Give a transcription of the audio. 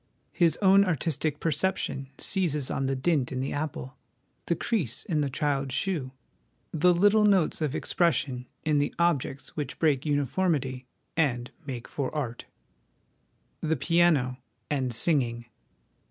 His own artistic perception seizes on the dint in the apple, the crease in the child's shoe, the little notes of expression in the objects which break uniformity and make for art. The Piano and Singing.